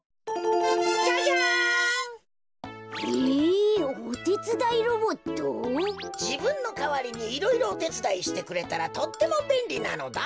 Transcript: じぶんのかわりにいろいろおてつだいしてくれたらとってもべんりなのだ。